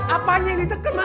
apanya yang diteken ma